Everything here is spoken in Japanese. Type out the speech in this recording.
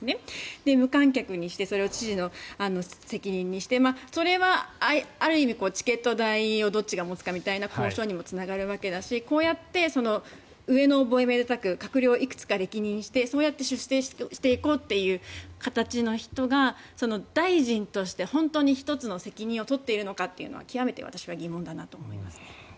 試合も無観客にしてそれを知事の責任にしてそれはある意味、チケット代をどっちが持つかみたいな交渉にもつながるわけだしこうやって閣僚をいくつか歴任してそうやって出世しようという形の人が大臣として本当に１つの責任を取っているのか極めて私も疑問だなと思います。